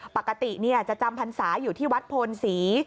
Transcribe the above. ปกติจะจำพรรษาอยู่ที่วัดโพนศรี